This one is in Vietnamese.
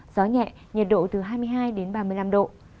gió nhẹ nhiệt độ từ hai mươi hai đến ba mươi năm độ